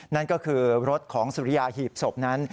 นั่นก็คือรถของสุริยาหีบศพนั้น